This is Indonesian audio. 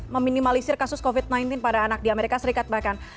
meminimalisir kasus covid sembilan belas pada anak di amerika serikat bahkan